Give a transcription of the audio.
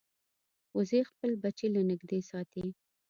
وزې خپل بچي له نږدې ساتي